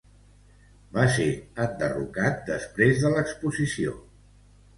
Va ser enderrocat després de l'exposició.